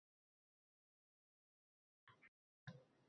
va avvalgi yaqinlikni tiklash uchun hiyla-nayrang yo‘liga o‘tadilar.